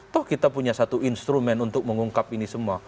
toh kita punya satu instrumen untuk mengungkap ini semua